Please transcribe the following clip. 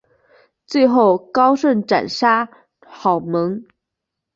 最后高顺斩杀郝萌。